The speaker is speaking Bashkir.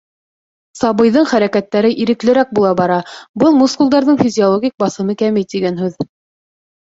Сабыйҙың хәрәкәттәре иреклерәк була бара, был мускулдарҙың физиологик баҫымы кәмей тигән һүҙ.